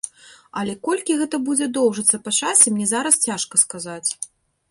Але колькі гэта будзе доўжыцца па часе, мне зараз цяжка сказаць.